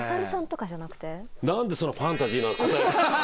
何だそのファンタジーな答え。